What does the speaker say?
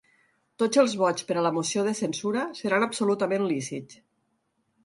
Tots els vots per a la moció de censura seran absolutament lícits.